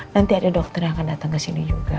nanti ada dokter yang akan datang kesini juga